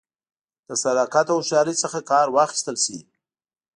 له صداقت او هوښیارۍ څخه کار واخیستل شي